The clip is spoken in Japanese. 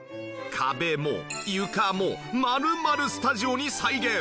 壁も床もまるまるスタジオに再現！